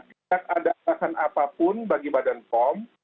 tidak ada alasan apapun bagi badan pom